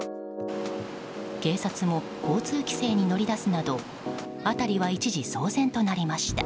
警察も交通規制に乗り出すなど辺りは一時騒然となりました。